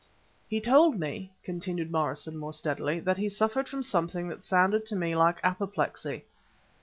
"He told me," continued Morrison more steadily, "that he suffered from something that sounded to me like apoplexy."